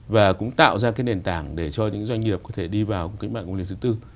và cũng tạo ra cái nền tảng để cho những doanh nghiệp có thể đi vào cái mạng công nghiệp thứ tư